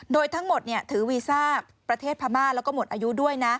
โดยทั้งหมดถือวีซ่าประเทศพม่าแล้วก็หมดอายุด้วยนะ